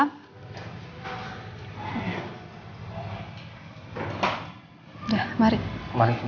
dan dokter akan memeriksa ibu sebulan sekali